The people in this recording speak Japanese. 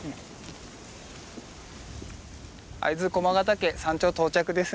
会津駒ヶ岳山頂到着ですね。